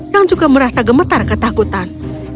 yang juga merasa gemetar ketakutan